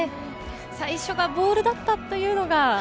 最初がボールだったというのが。